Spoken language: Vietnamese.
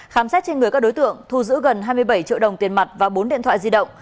khám xét trên người các đối tượng thu giữ gần hai mươi bảy triệu đồng tiền mặt và bốn điện thoại di động